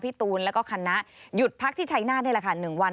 ตูนแล้วก็คณะหยุดพักที่ชัยนาธนี่แหละค่ะ๑วัน